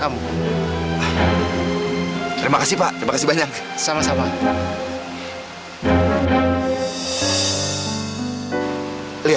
kalau dia itu seperti ayahku sendiri